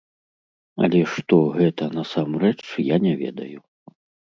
Але што гэта, насамрэч, я не ведаю.